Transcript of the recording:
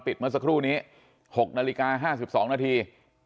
เมื่อสักครู่นี้๖นาฬิกา๕๒นาที